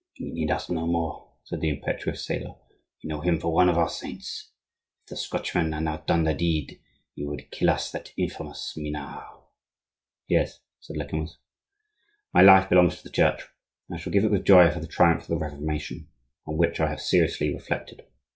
"We need ask no more," said the impetuous sailor; "we know him for one of our saints. If the Scotchman had not done the deed he would kill us that infamous Minard." "Yes," said Lecamus, "my life belongs to the church; I shall give it with joy for the triumph of the Reformation, on which I have seriously reflected.